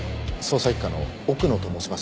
捜査一課の奥野と申します。